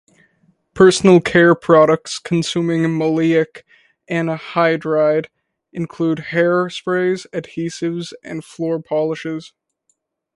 Personal care products consuming maleic anhydride include hair sprays, adhesives and floor polishes.